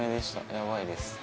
やばいです。